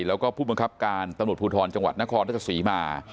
แล้วก็ผู้บังคับการสพจนนศมา